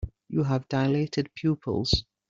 You have dilated pupils.